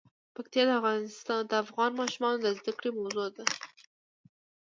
پکتیا د افغان ماشومانو د زده کړې موضوع ده.